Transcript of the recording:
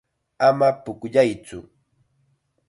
Ama pukllaytsu.